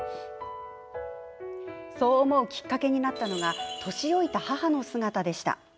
そう思うきっかけになったのが年老いた母の姿でした。